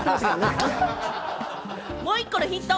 もう１個のヒント。